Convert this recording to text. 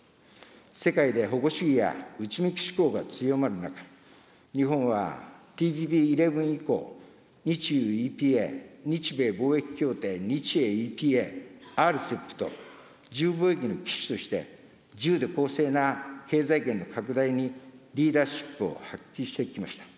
世界で保護主義や内向き志向が強まる中、日本はＴＰＰ１１以降、日ＥＵ・ＥＰＡ、日米貿易協定、日英ＥＰＡ、ＲＣＥＰと、自由貿易の旗手として自由で公正な経済圏の拡大にリーダーシップを発揮してきました。